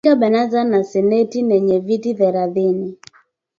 katika Baraza la Seneti lenye viti thelathini